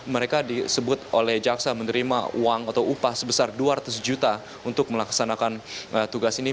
mereka disebut oleh jaksa menerima uang atau upah sebesar dua ratus juta untuk melaksanakan tugas ini